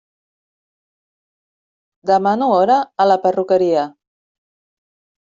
Demano hora a la perruqueria.